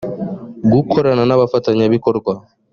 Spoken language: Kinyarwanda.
gukorana n abafatanyabikorwa